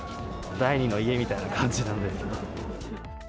第２の家みたいな感じなんですけど。